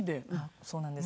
そうなんです。